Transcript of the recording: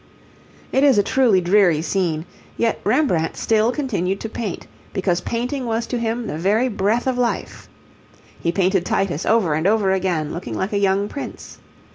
It is a truly dreary scene, yet Rembrandt still continued to paint, because painting was to him the very breath of life. He painted Titus over and over again looking like a young prince.